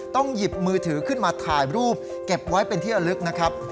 หยิบมือถือขึ้นมาถ่ายรูปเก็บไว้เป็นที่ระลึกนะครับ